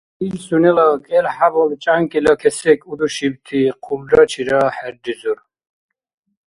Ил «сунела» кӀел-хӀябал чӀянкӀила кесек удушибти хъулрачира хӀерризур.